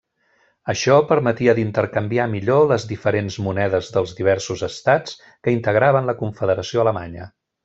Això permetia d'intercanviar millor les diferents monedes dels diversos estats que integraven la Confederació Alemanya.